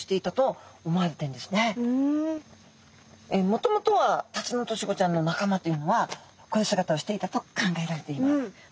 もともとはタツノオトシゴちゃんの仲間というのはこういう姿をしていたと考えられています。